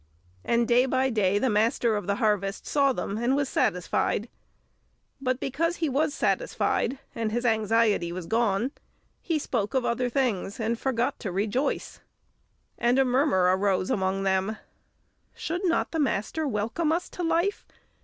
And day by day the Master of the Harvest saw them and was satisfied; but because he was satisfied, and his anxiety was gone, he spoke of other things, and forgot to rejoice. And a murmur arose among them: "Should not the Master have welcomed us to life?